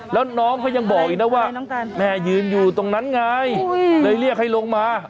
แล้วน้องเขายังบอกอีกนะว่าแม่ยืนอยู่ตรงนั้นไงเลยเรียกให้ลงมา